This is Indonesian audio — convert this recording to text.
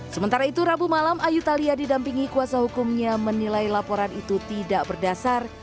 sementara itu rabu malam ayu thalia didampingi kuasa hukumnya menilai laporan itu tidak berdasar